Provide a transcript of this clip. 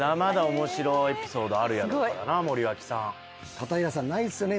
片平さんないっすよね。